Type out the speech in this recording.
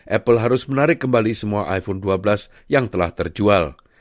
apple harus menarik kembali semua iphone dua belas yang telah terjual